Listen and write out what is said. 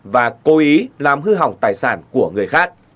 và cố ý làm hư hỏng tài sản của người khác